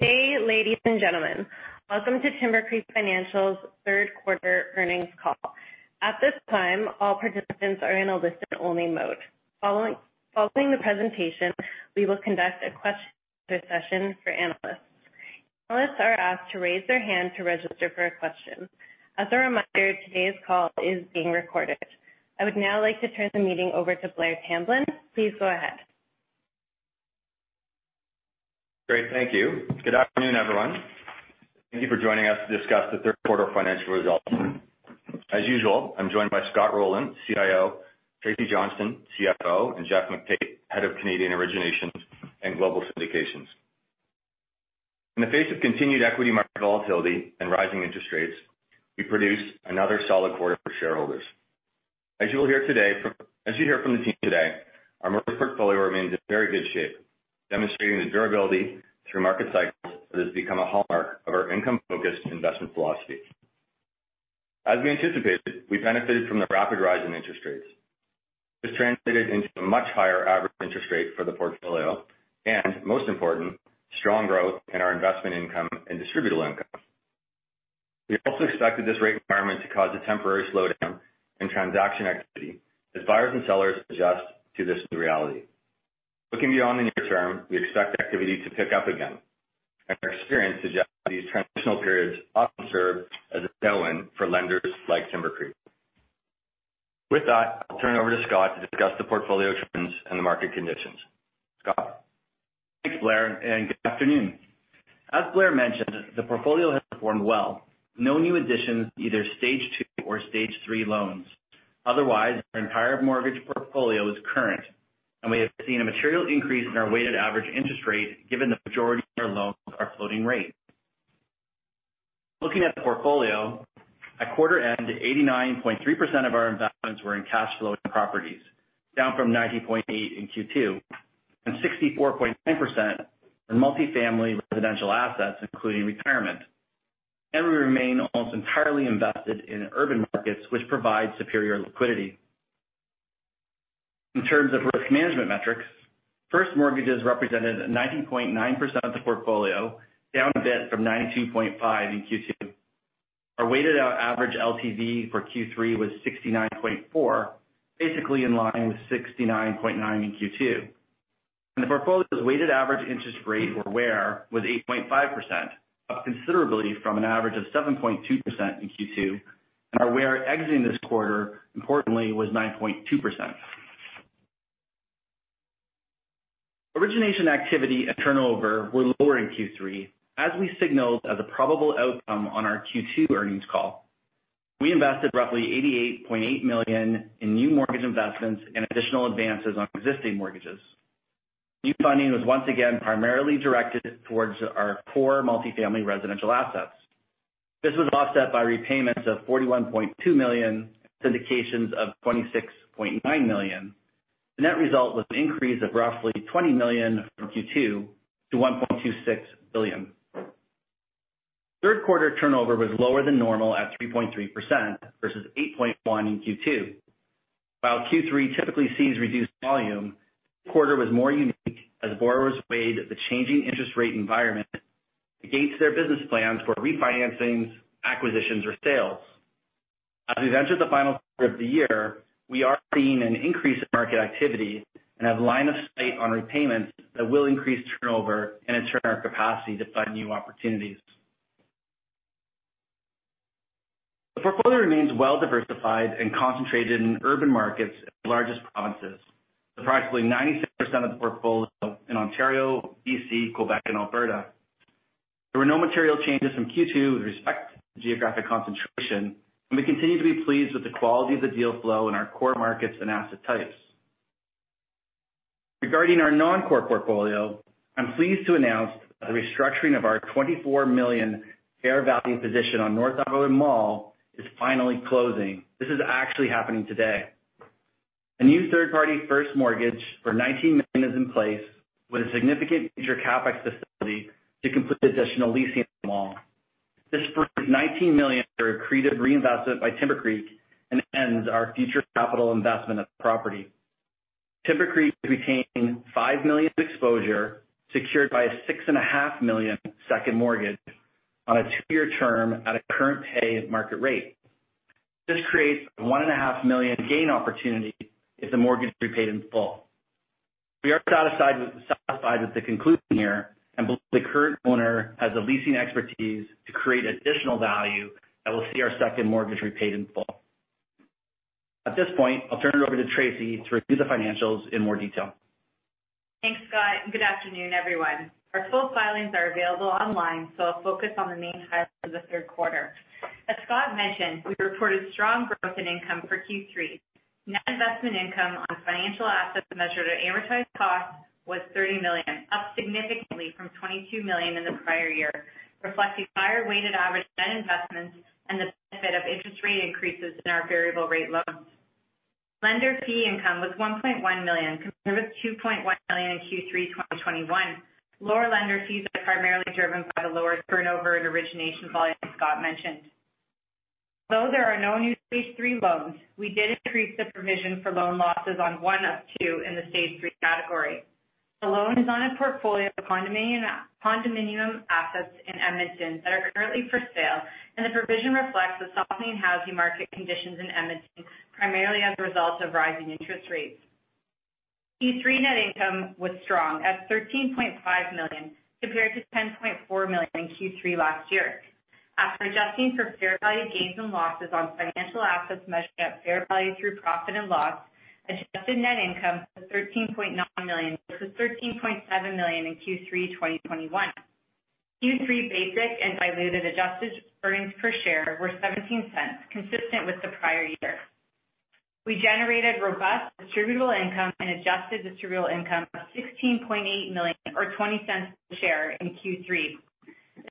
Good day, ladies and gentlemen. Welcome to Timbercreek Financial's third quarter earnings call. At this time, all participants are in a listen-only mode. Following the presentation, we will conduct a question and answer session for analysts. Analysts are asked to raise their hand to register for a question. As a reminder, today's call is being recorded. I would now like to turn the meeting over to Blair Tamblyn. Please go ahead. Great. Thank you. Good afternoon, everyone. Thank you for joining us to discuss the third quarter financial results. As usual, I'm joined by Scott Rowland, CIO, Tracy Johnston, CFO, and Geoff McTait, Head of Canadian Originations and Global Syndications. In the face of continued equity market volatility and rising interest rates, we produced another solid quarter for shareholders. As you hear from the team today, our mortgage portfolio remains in very good shape, demonstrating the durability through market cycles that has become a hallmark of our income-focused investment philosophy. As we anticipated, we benefited from the rapid rise in interest rates. This translated into a much higher average interest rate for the portfolio and, most important, strong growth in our investment income and distributable income. We also expected this rate environment to cause a temporary slowdown in transaction activity as buyers and sellers adjust to this new reality. Looking beyond the near term, we expect activity to pick up again, and our experience suggests these transitional periods often serve as a tailwind for lenders like Timbercreek. With that, I'll turn it over to Scott to discuss the portfolio trends and the market conditions. Scott. Thanks, Blair, and good afternoon. As Blair mentioned, the portfolio has performed well. No new additions to either Stage II or Stage III loans. Otherwise, our entire mortgage portfolio is current, and we have seen a material increase in our weighted average interest rate given the majority of our loans are floating rate. Looking at the portfolio, at quarter end, 89.3% of our investments were in cash flowing properties, down from 90.8 in Q2, and 64.9% in multifamily residential assets, including retirement. We remain almost entirely invested in urban markets, which provide superior liquidity. In terms of risk management metrics, first mortgages represented 90.9% of the portfolio, down a bit from 92.5 in Q2. Our weighted average LTV for Q3 was 69.4, basically in line with 69.9 in Q2. The portfolio's weighted average interest rate, or WAIR, was 8.5%, up considerably from an average of 7.2% in Q2. Our WAIR exiting this quarter, importantly, was 9.2%. Origination activity and turnover were lower in Q3 as we signaled as a probable outcome on our Q2 earnings call. We invested roughly 88.8 million in new mortgage investments and additional advances on existing mortgages. New funding was once again primarily directed towards our core multifamily residential assets. This was offset by repayments of 41.2 million, syndications of 26.9 million. The net result was an increase of roughly 20 million from Q2 to 1.26 billion. Third quarter turnover was lower than normal at 3.3% versus 8.1 in Q2. While Q3 typically sees reduced volume, this quarter was more unique as borrowers weighed the changing interest rate environment against their business plans for refinancing, acquisitions, or sales. As we enter the final quarter of the year, we are seeing an increase in market activity and have line of sight on repayments that will increase turnover and in turn, our capacity to fund new opportunities. The portfolio remains well-diversified and concentrated in urban markets in the largest provinces, with approximately 96% of the portfolio in Ontario, BC, Quebec, and Alberta. There were no material changes from Q2 with respect to geographic concentration, and we continue to be pleased with the quality of the deal flow in our core markets and asset types. Regarding our non-core portfolio, I'm pleased to announce that the restructuring of our 24 million fair value position on Northgate Mall is finally closing. This is actually happening today. A new third-party first mortgage for 19 million is in place with a significant future CapEx facility to complete additional leasing of the mall. This frees 19 million for accretive reinvestment by Timbercreek and ends our future capital investment of the property. Timbercreek is retaining 5 million of exposure, secured by a 6.5 million second mortgage on a two-year term at a current pay market rate. This creates a 1.5 million gain opportunity if the mortgage is repaid in full. We are satisfied with the conclusion here and believe the current owner has the leasing expertise to create additional value that will see our second mortgage repaid in full. At this point, I'll turn it over to Tracy to review the financials in more detail. Thanks, Scott, and good afternoon, everyone. Our full filings are available online, so I'll focus on the main highlights of the third quarter. As Scott mentioned, we reported strong growth and income for Q3. Net investment income on financial assets measured at amortized cost was 30 million, up significantly from 22 million in the prior year, reflecting higher weighted average net investments and the benefit of interest rate increases in our variable rate loans. Lender fee income was CAD 1.1 million compared with CAD 2.1 million in Q3 2021. Lower lender fees are primarily driven by the lower turnover and origination volume Scott mentioned. Though there are no new stage three loans, we did increase the provision for loan losses on one of two in the stage three category. The loan is on a portfolio of condominium assets in Edmonton that are currently for sale, and the provision reflects the softening housing market conditions in Edmonton, primarily as a result of rising interest rates. Q3 net income was strong at CAD 13.5 million compared to CAD 10.4 million in Q3 last year. After adjusting for fair value gains and losses on financial assets measured at fair value through profit and loss, adjusted net income was 13.9 million versus 13.7 million in Q3 2021. Q3 basic and diluted adjusted earnings per share were 0.17, consistent with the prior year. We generated robust distributable income and adjusted distributable income of 16.8 million or 0.20 per share in Q3.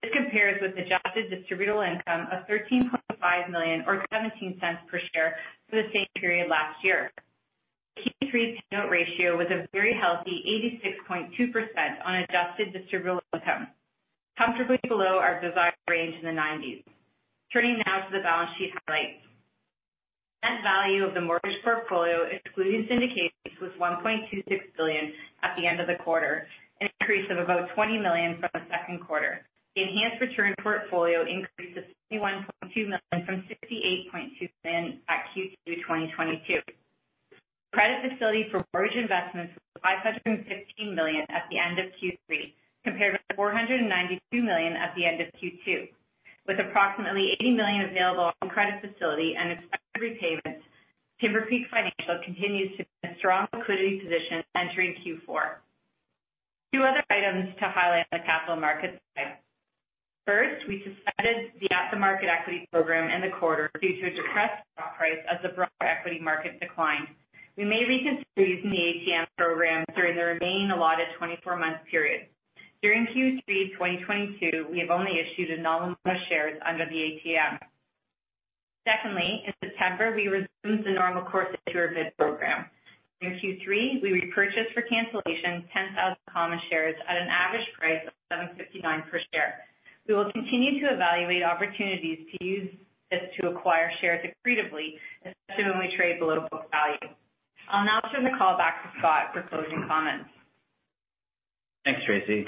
This compares with adjusted distributable income of 13.5 million or 0.17 per share for the same period last year. Q3 payout ratio was a very healthy 86.2% on adjusted distributable income, comfortably below our desired range in the nineties. Turning now to the balance sheet highlights. Net value of the mortgage portfolio, excluding syndications, was CAD 1.26 billion at the end of the quarter, an increase of about CAD 20 million from the second quarter. The enhanced return portfolio increased to CAD 21.2 million from CAD 68.2 million at Q2 2022. Credit facility for mortgage investments was CAD 515 million at the end of Q3, compared with CAD 492 million at the end of Q2. With approximately CAD 80 million available on credit facility and expected repayments, Timbercreek Financial continues to be in a strong liquidity position entering Q4. Two other items to highlight on the capital markets side. First, we suspended the at-the-market equity program in the quarter due to a depressed stock price as the broader equity market declined. We may reconsider using the ATM program during the remaining allotted 24-month period. During Q3 2022, we have only issued a nominal amount of shares under the ATM. Secondly, in September, we resumed the normal course issuer bid program. During Q3, we repurchased for cancellation 10,000 common shares at an average price of 7.59 per share. We will continue to evaluate opportunities to use this to acquire shares accretively, especially when we trade below book value. I'll now turn the call back to Scott for closing comments. Thanks, Tracy.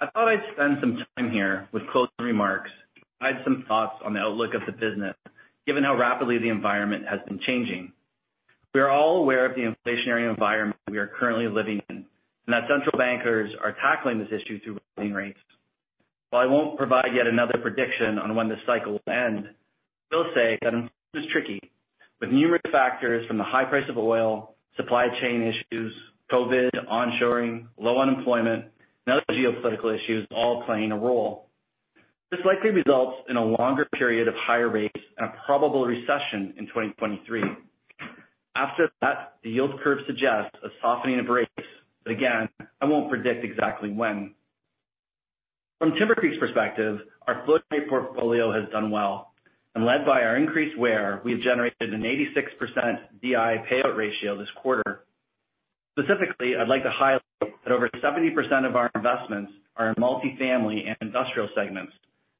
I thought I'd spend some time here with closing remarks to provide some thoughts on the outlook of the business, given how rapidly the environment has been changing. We are all aware of the inflationary environment we are currently living in and that central bankers are tackling this issue through raising rates. While I won't provide yet another prediction on when this cycle will end, I will say that it is tricky, with numerous factors from the high price of oil, supply chain issues, COVID, onshoring, low unemployment, and other geopolitical issues all playing a role. This likely results in a longer period of higher rates and a probable recession in 2023. After that, the yield curve suggests a softening of rates, but again, I won't predict exactly when. From Timbercreek's perspective, our floating-rate portfolio has done well. Led by our increased WAIR, we have generated an 86% DI payout ratio this quarter. Specifically, I'd like to highlight that over 70% of our investments are in multi-family and industrial segments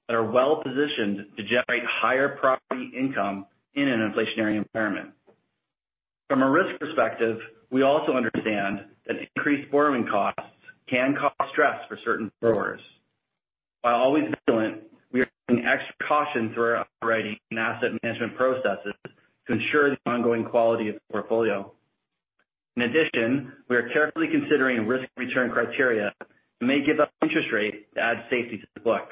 that are well-positioned to generate higher property income in an inflationary environment. From a risk perspective, we also understand that increased borrowing costs can cause stress for certain borrowers. While always vigilant, we are taking extra caution through our underwriting and asset management processes to ensure the ongoing quality of the portfolio. In addition, we are carefully considering risk-return criteria and may give up interest rate to add safety to the book.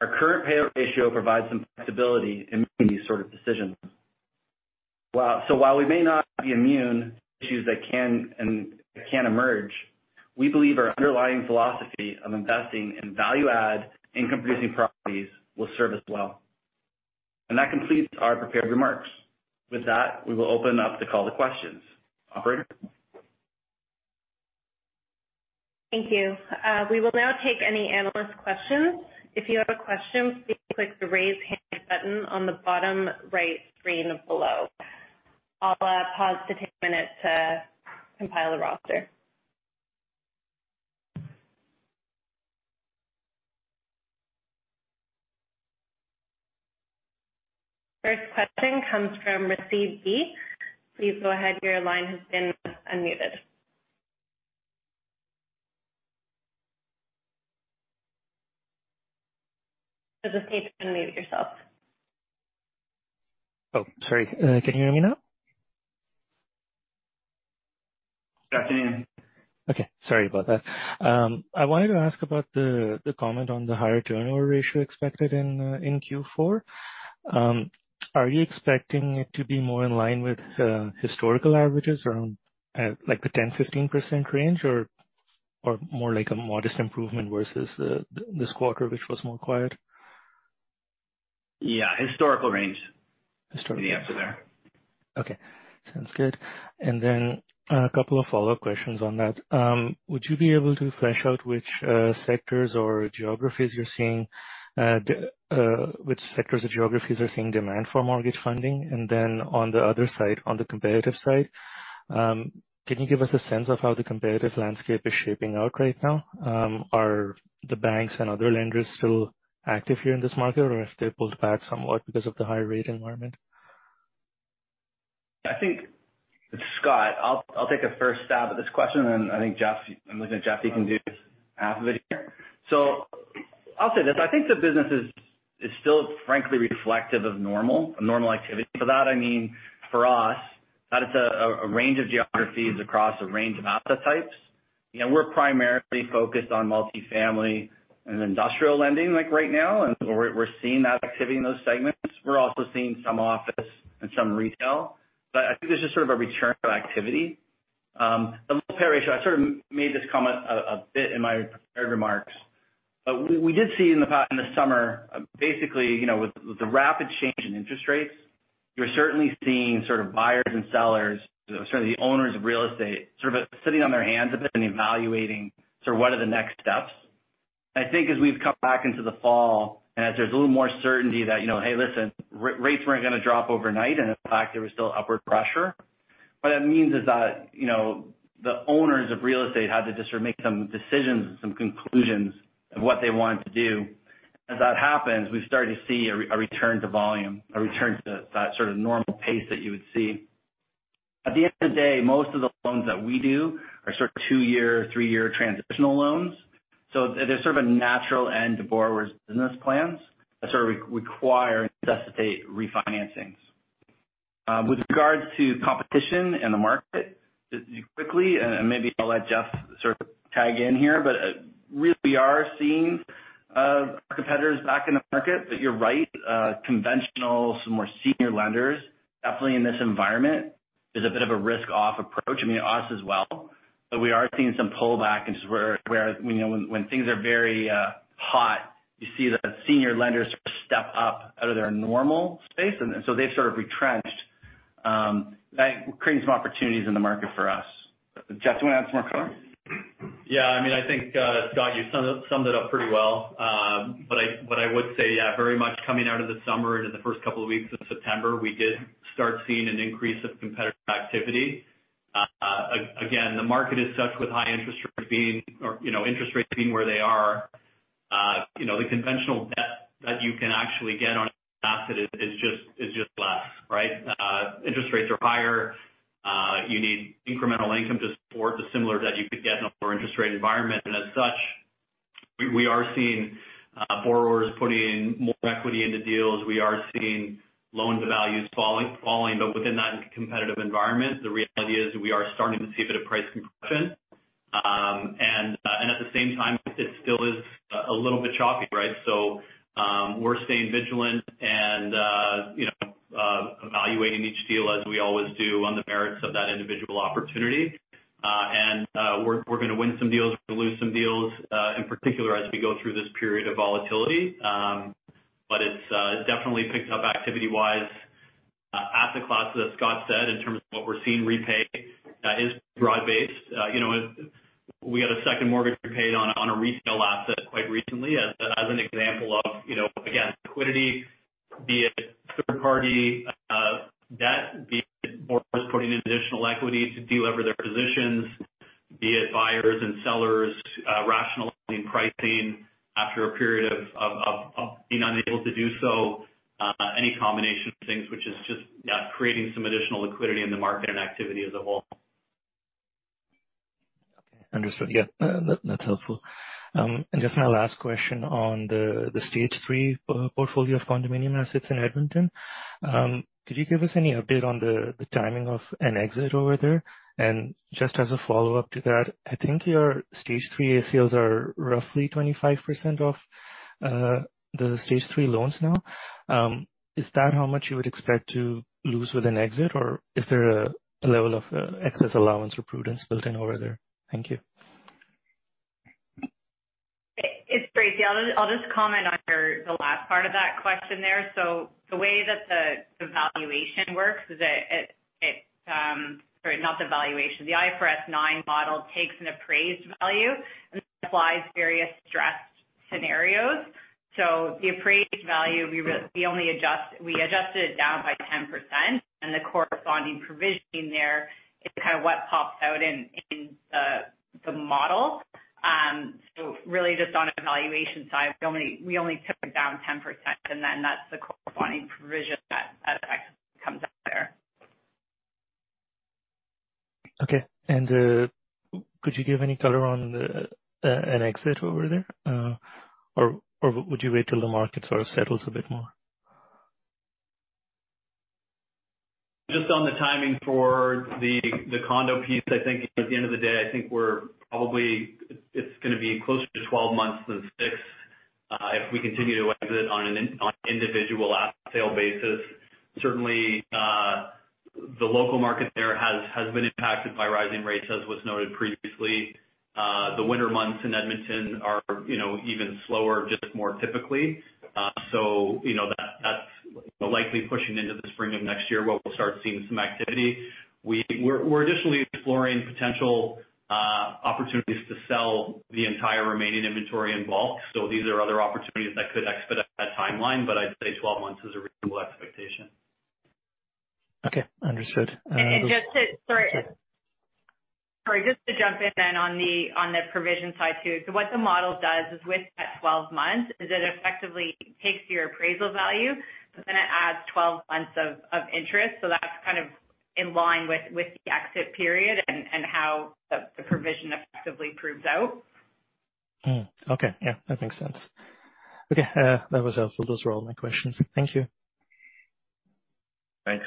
Our current payout ratio provides some flexibility in making these sort of decisions. While we may not be immune to issues that can emerge, we believe our underlying philosophy of investing in value-add, income-producing properties will serve us well. That completes our prepared remarks. With that, we will open up the call to questions. Operator? Thank you. We will now take any analyst questions. If you have a question, please click the Raise Hand button on the bottom right screen below. I'll pause to take a minute to compile the roster. First question comes from Jaeme Gloyn. Please go ahead. Your line has been unmuted. Just hit unmute yourself. Oh, sorry. Can you hear me now? Yes, I can. Okay, sorry about that. I wanted to ask about the comment on the higher turnover ratio expected in Q4. Are you expecting it to be more in line with historical averages around like the 10-15% range or more like a modest improvement versus this quarter, which was more quiet? Yeah, historical range. Historical range. Maybe after there. Okay, sounds good. A couple of follow-up questions on that. Would you be able to flesh out which sectors or geographies are seeing demand for mortgage funding? On the other side, on the competitive side, can you give us a sense of how the competitive landscape is shaping out right now? Are the banks and other lenders still active here in this market or have they pulled back somewhat because of the high rate environment? It's Scott. I'll take a first stab at this question then I think Geoff, I'm looking at Geoff, he can do half of it here. I'll say this, I think the business is still frankly reflective of normal, a normal activity. By that I mean for us, that it's a range of geographies across a range of asset types. You know, we're primarily focused on multi-family and industrial lending, like, right now, and we're seeing that activity in those segments. We're also seeing some office and some retail. I think there's just sort of a return of activity. The LTV ratio. I sort of made this comment a bit in my prepared remarks. We did see in the summer, basically, you know, with the rapid change in interest rates, you're certainly seeing sort of buyers and sellers, sort of the owners of real estate, sort of sitting on their hands a bit and evaluating sort of what are the next steps. I think as we've come back into the fall and as there's a little more certainty that, you know, hey, listen, rates weren't gonna drop overnight and in fact there was still upward pressure. What that means is that, you know, the owners of real estate had to just sort of make some decisions and some conclusions of what they wanted to do. As that happens, we've started to see a return to volume, a return to that sort of normal pace that you would see. At the end of the day, most of the loans that we do are sort of two-year, three-year transitional loans, so there's sort of a natural end to borrowers' business plans that sort of re-require and necessitate refinancings. With regards to competition in the market, just quickly, and maybe I'll let Geoff sort of tag in here, but really we are seeing competitors back in the market. But you're right, conventional, some more senior lenders, definitely in this environment is a bit of a risk off approach. I mean, us as well. But we are seeing some pullback and just where, you know, when things are very hot, you see the senior lenders sort of step up out of their normal space, and so they've sort of retrenched. That creates some opportunities in the market for us. Geoff, do you wanna add some more color? Yeah. I mean, I think, Scott, you summed it up pretty well. I would say, yeah, very much coming out of the summer into the first couple of weeks of September, we did start seeing an increase of competitive activity. Again, the market is such with high interest rates, you know, interest rates being where they are, you know, the conventional debt that you can actually get on an asset is just less, right? Interest rates are higher. You need incremental income to support the similar debt you could get in a lower interest rate environment. As such, we are seeing borrowers putting more equity into deals. We are seeing loan-to-values falling, but within that competitive environment, the reality is that we are starting to see a bit of price compression. At the same time, it still is a little bit choppy, right? We're staying vigilant and, you know, evaluating each deal as we always do on the merits of that individual opportunity. We're gonna win some deals, we're gonna lose some deals, in particular as we go through this period of volatility. It's definitely picked up activity-wise across asset class, as Scott said, in terms of what we're seeing repaid is broad-based. You know, we had a second mortgage paid on a retail asset quite recently as an example of, you know, again, liquidity, be it third party debt, be it borrowers putting in additional equity to delever their positions, be it buyers and sellers rationalizing pricing after a period of being unable to do so. Any combination of things which is just, yeah, creating some additional liquidity in the market and activity as a whole. Okay. Understood. Yeah. That's helpful. Just my last question on the Stage III portfolio of condominium assets in Edmonton. Could you give us any update on the timing of an exit over there? Just as a follow-up to that, I think your Stage III ACLs are roughly 25% of the Stage III loans now. Is that how much you would expect to lose with an exit, or is there a level of excess allowance for prudence built in over there? Thank you. It's Tracy. I'll just comment on the last part of that question there. Sorry, not the valuation. The IFRS 9 model takes an appraised value and applies various stress scenarios. The appraised value, we adjusted it down by 10% and the corresponding provision there is kind of what pops out in the model. Really just on a valuation side, we only took it down 10%, and then that's the corresponding provision that ACL comes out there. Okay. Could you give any color on an exit over there? Or would you wait till the market sort of settles a bit more? Just on the timing for the condo piece, I think at the end of the day, it's gonna be closer to 12 months than six, if we continue to exit on an individual asset sale basis. Certainly, the local market there has been impacted by rising rates, as was noted previously. The winter months in Edmonton are, you know, even slower, just more typically. So you know, that's likely pushing into the spring of next year where we'll start seeing some activity. We're additionally exploring potential. Opportunities to sell the entire remaining inventory in bulk. These are other opportunities that could expedite that timeline, but I'd say 12 months is a reasonable expectation. Okay. Understood. Sorry. Just to jump in then on the provision side too. What the model does is, with that 12 months, it effectively takes your appraisal value, but then it adds 12 months of interest. That's kind of in line with the exit period and how the provision effectively proves out. Okay. Yeah, that makes sense. Okay. That was helpful. Those were all my questions. Thank you. Thanks.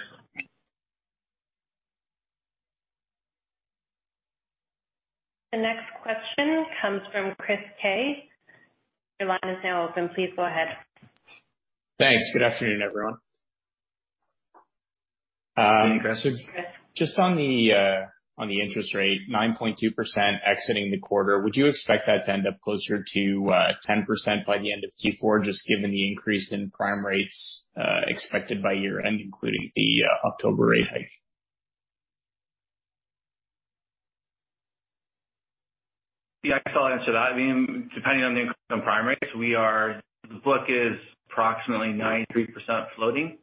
The next question comes from Graham Ryding. Your line is now open. Please go ahead. Thanks. Good afternoon, everyone. Good afternoon, Graham. Just on the interest rate, 9.2% exiting the quarter, would you expect that to end up closer to 10% by the end of Q4, just given the increase in prime rates expected by year-end, including the October rate hike? Yeah, I guess I'll answer that. I mean, depending on the increase in prime rates, the book is approximately 93% floating.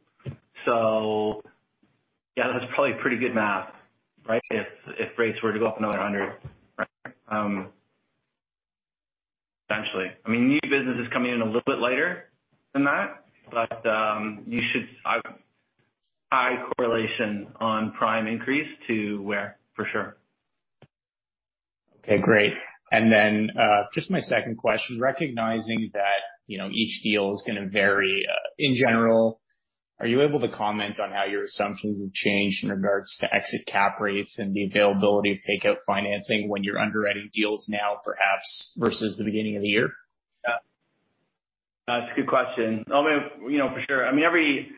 Yeah, that's probably pretty good math, right? If rates were to go up another 100, right? Essentially. I mean, new business is coming in a little bit lighter than that. You should. High correlation on prime increase to where, for sure. Okay, great. Just my second question. Recognizing that, you know, each deal is gonna vary, in general, are you able to comment on how your assumptions have changed in regards to exit cap rates and the availability of takeout financing when you're underwriting deals now, perhaps versus the beginning of the year? Yeah. That's a good question. I mean, you know, for sure. I mean, every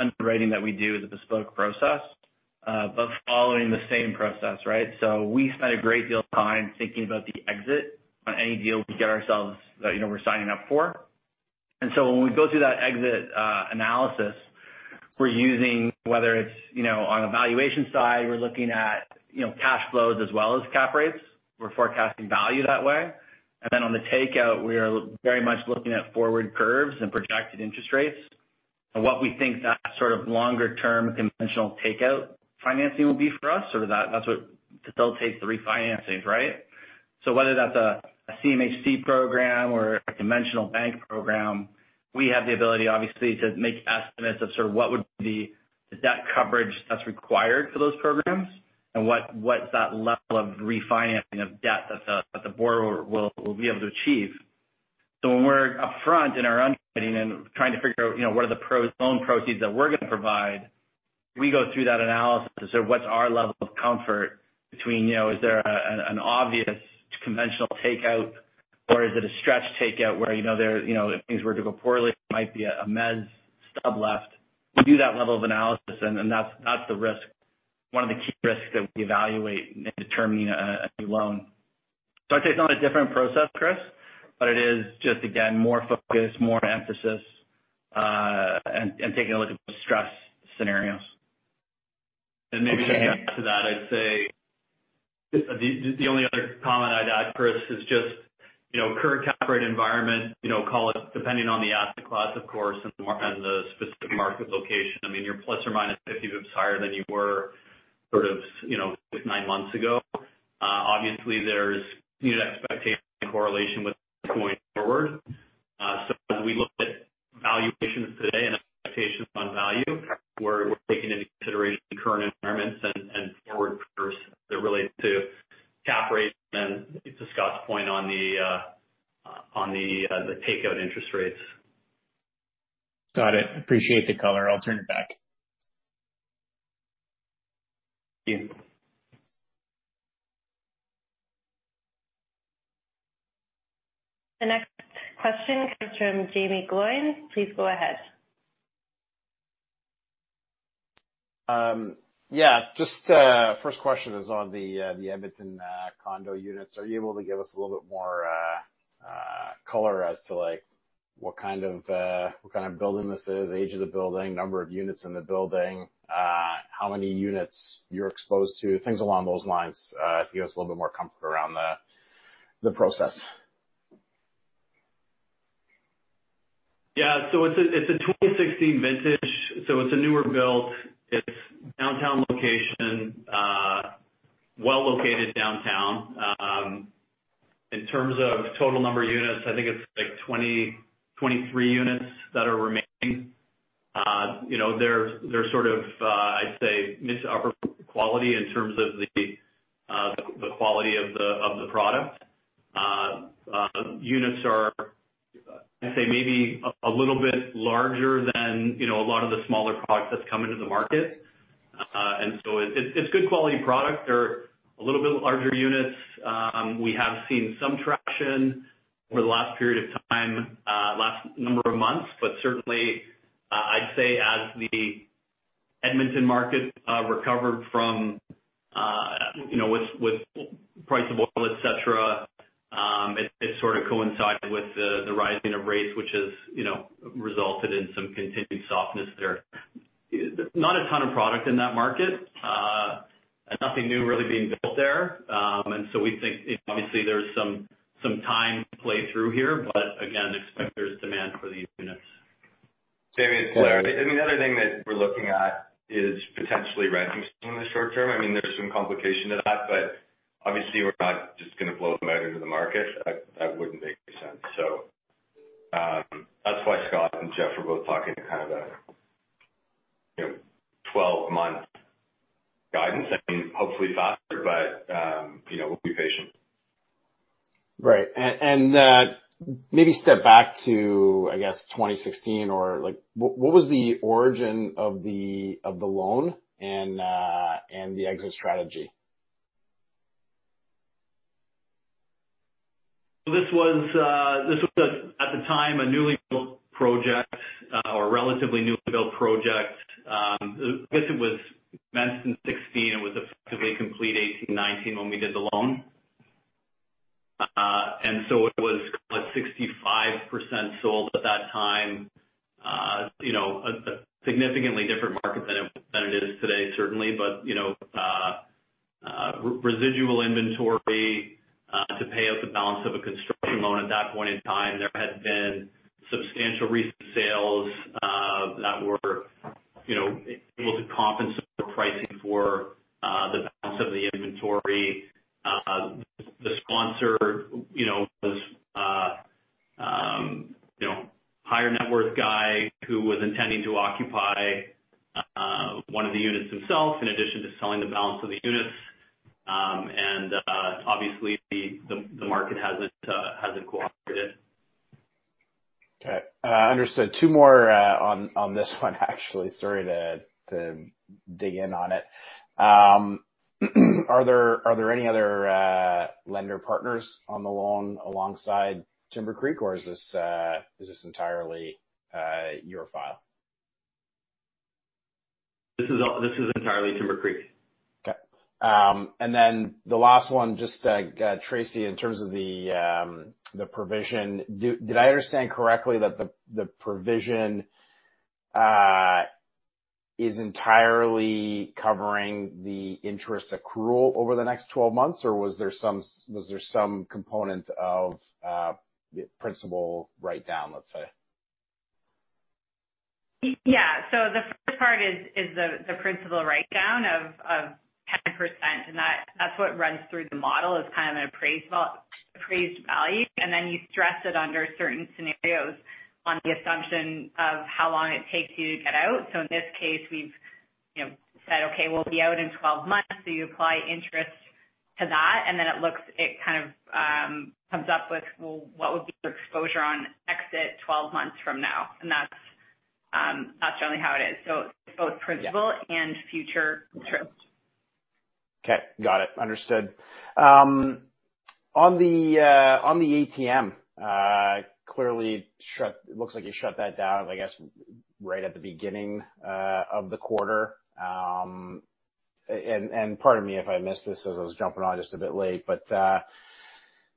underwriting that we do is a bespoke process, but following the same process, right? We spend a great deal of time thinking about the exit on any deal we get ourselves into that, you know, we're signing up for. When we go through that exit analysis, we're using whether it's, you know, on a valuation side, we're looking at, you know, cash flows as well as cap rates. We're forecasting value that way. On the takeout, we are very much looking at forward curves and projected interest rates and what we think that sort of longer term conventional takeout financing will be for us or that's what facilitates the refinancing, right? Whether that's a CMHC program or a conventional bank program, we have the ability, obviously, to make estimates of sort of what would be the debt coverage that's required for those programs and what's that level of refinancing of debt that the borrower will be able to achieve. When we're upfront in our underwriting and trying to figure out, you know, what are the loan proceeds that we're gonna provide, we go through that analysis of what's our level of comfort between, you know, is there a an obvious conventional takeout or is it a stretch takeout where, you know, if things were to go poorly, it might be a mezz stub left. We do that level of analysis and that's the risk. One of the key risks that we evaluate in determining a new loan. I'd say it's not a different process, Graham, but it is just, again, more focus, more emphasis, and taking a look at the stress scenarios. Okay. Maybe to add to that, I'd say the only other comment I'd add, Graham, is just you know current cap rate environment, you know, call it depending on the asset class, of course, and more on the specific market location. I mean, you're plus or minus 50 basis points higher than you were you know nine months ago. Obviously, there's you know expectation correlation with going forward. So as we look at valuations today and expectations on value, we're taking into consideration the current environments and forward curves that relate to cap rates. To Scott's point on the takeout interest rates. Got it. Appreciate the color. I'll turn it back. Thank you. The next question comes from Jaeme Gloyn. Please go ahead. Yeah, just, first question is on the Edmonton condo units. Are you able to give us a little bit more color as to like what kind of building this is, age of the building, number of units in the building, how many units you're exposed to, things along those lines, to give us a little bit more comfort around the process. Yeah. It's a 26 vintage. It's a newer build. It's a downtown location, well located downtown. In terms of total number of units, I think it's like 23 units that are remaining. You know, they're sort of, I'd say, mixed upper quality in terms of the quality of the product. Units are, I'd say, maybe a little bit larger than, you know, a lot of the smaller products that's come into the market. It's good quality product. They're a little bit larger units. We have seen some traction over the last period of time, last number of months. Certainly, I'd say as the Edmonton market recovered from, you know, with price of oil, et cetera. It sort of coincided with the rising of rates, which has, you know, resulted in some continued softness there. Not a ton of product in that market. Nothing new really being built there. We think, obviously, there's some time to play through here. Again, expect there's demand for these units. Jaeme, it's Blair. I mean, the other thing that we're looking at is potentially renting some in the short term. I mean, there's some complication to that, but obviously we're not just gonna blow them out into the market. That wouldn't make any sense. That's why Scott and Geoff were both talking to kind of a, you know, 12-month guidance. I mean, hopefully faster. You know, we'll be patient. Right. Maybe step back to, I guess, 2016 or, like, what was the origin of the loan and the exit strategy? This was at the time a newly built project or relatively newly built project. I guess it was commenced in 2016. It was effectively complete 2018-2019 when we did the loan. It was like 65% sold at that time. You know, a significantly different market than it is today, certainly. You know, residual inventory to pay out the balance of a construction loan. At that point in time, there had been substantial resales that were, you know, able to compensate the pricing for the balance of the inventory. The sponsor, you know, was higher net worth guy who was intending to occupy one of the units himself, in addition to selling the balance of the units. Obviously the market hasn't cooperated. Okay, understood. Two more on this one, actually. Sorry to dig in on it. Are there any other lender partners on the loan alongside Timbercreek, or is this entirely your file? This is entirely Timbercreek. Okay. The last one, just, Tracy, in terms of the provision, did I understand correctly that the provision is entirely covering the interest accrual over the next 12 months? Or was there some component of principal write-down, let's say? Yeah. The first part is the principal write-down of 10%, and that's what runs through the model, is kind of an appraised appraised value. Then you stress it under certain scenarios on the assumption of how long it takes you to get out. In this case, we've said, okay, we'll be out in 12 months, so you apply interest to that, and then it looks, it kind of comes up with, well, what would be the exposure on exit 12 months from now? That's generally how it is. Both principal and future interest. Okay, got it. Understood. On the ATM, clearly it looks like you shut that down, I guess, right at the beginning of the quarter. Pardon me if I missed this as I was jumping on just a bit late, but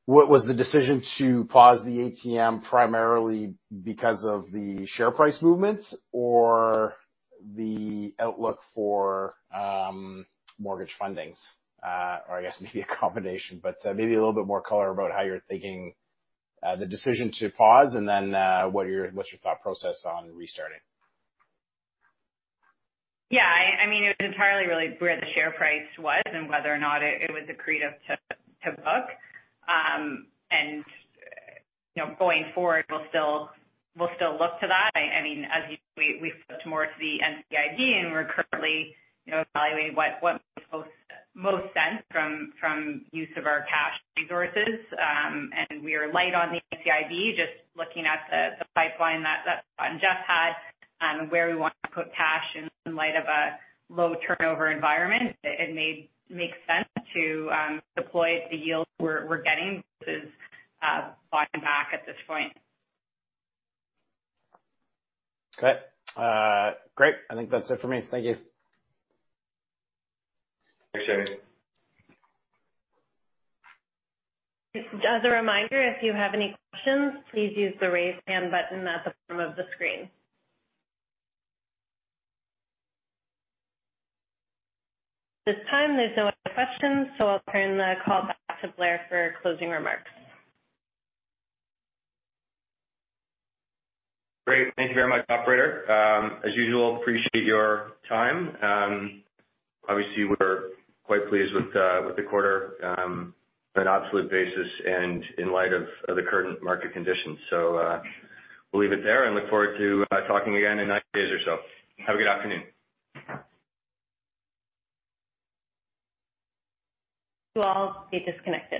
was the decision to pause the ATM primarily because of the share price movement or the outlook for mortgage fundings? Or I guess maybe a combination. Maybe a little bit more color about how you're thinking the decision to pause, and then what's your thought process on restarting? Yeah, I mean, it was entirely really where the share price was and whether or not it was accretive to book. You know, going forward, we'll still look to that. I mean, we've looked more to the NCIB, and we're currently, you know, evaluating what makes most sense from use of our cash resources. We are light on the NCIB. Just looking at the pipeline that Scott and Jeff had on where we want to put cash in light of a low turnover environment, it makes sense to deploy at the yields we're getting versus buying back at this point. Okay. Great. I think that's it for me. Thank you. Thanks, Jaeme. As a reminder, if you have any questions, please use the Raise Hand button at the bottom of the screen. At this time, there's no other questions, so I'll turn the call back to Blair for closing remarks. Great. Thank you very much, operator. As usual, appreciate your time. Obviously, we're quite pleased with the quarter on an absolute basis and in light of the current market conditions. We'll leave it there and look forward to talking again in 90 days or so. Have a good afternoon. You all can disconnect.